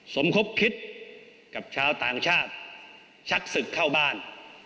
สมคบคิดกับชาวต่างชาติชักศึกเข้าบ้าน